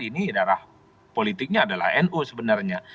ini darah politiknya adalah nu sebenarnya